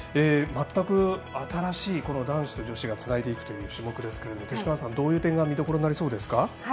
全く新しい男子と女子がつないでいく種目ですが勅使川原さん、どういう点が見どころになりそうですか？